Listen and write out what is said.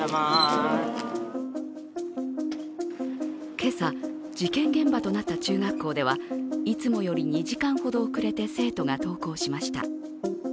今朝事件現場となった中学校ではいつもより２時間ほど遅れて生徒が登校しました。